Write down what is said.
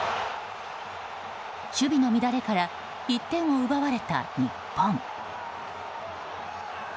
守備の乱れから１点を奪われた日本。